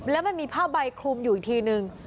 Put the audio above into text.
แล้วมันมีผ้าใบคลุมอยู่อีกทีนึง